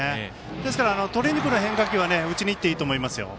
ですから、とりにくる変化球は打ちにいっていいと思います。